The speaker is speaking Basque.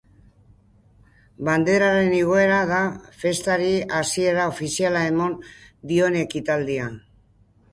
Banderaren igoera da festari hasiera ofiziala eman dion ekitaldia.